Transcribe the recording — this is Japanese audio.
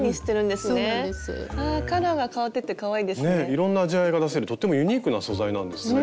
いろんな味わいが出せるとってもユニークな素材なんですね。